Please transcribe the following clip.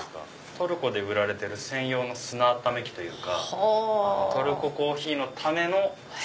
トルコで売られてる専用の砂温め機というかトルココーヒーのための装置。